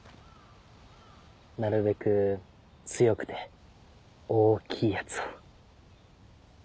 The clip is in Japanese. なるべく強くて大きいやつを。